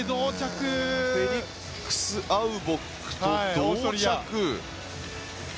フェリックス・アウボックと同着。